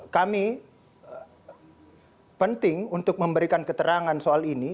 kami penting untuk memberikan keterangan soal ini